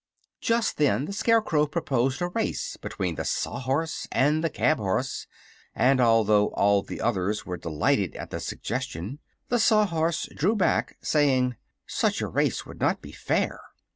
Just then the Scarecrow proposed a race between the Sawhorse and the Cab horse; and although all the others were delighted at the suggestion the Sawhorse drew back, saying: "Such a race would not be fair."